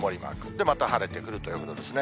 で、また晴れてくるということですね。